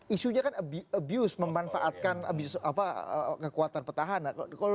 isunya kan abuse memanfaatkan kekuatan petahana